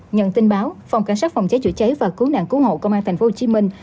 nhận tin báo phòng cảnh sát phòng cháy chữa cháy và cứu nạn cứu hộ công an thành phố hồ chí minh